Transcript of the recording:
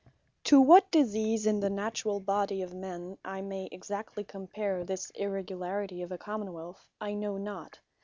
To what Disease in the Naturall Body of man, I may exactly compare this irregularity of a Common wealth, I know not.